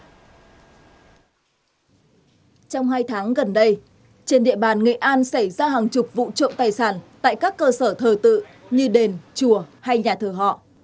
trong hai tháng gần đây trên địa bàn nghệ an xảy ra hàng chục vụ trộm tài sản tại các cơ sở thờ tự như đền chùa hay nhà thờ họ